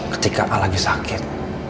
ketika al lagi sakit